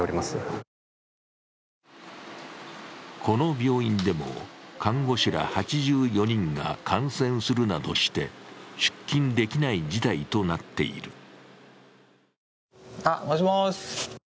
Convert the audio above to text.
この病院でも看護師ら８４人が感染するなどして出勤できない事態となっている。